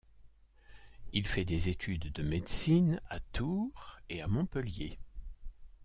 Il fait des études de médecine à Tours et à Montpellier.